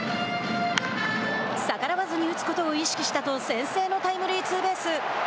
逆らわずに打つことを意識したと先制のタイムリーツーベース。